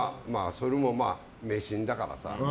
それもまあ迷信だからさ。